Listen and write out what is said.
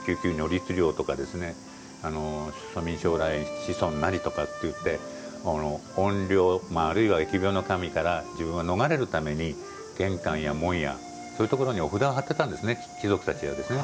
りつりょうとか子孫なりとかいって怨霊、あるいは疫病の神から自分は逃れるために玄関や門やそういったところにお札を貼ってたんですね、貴族は。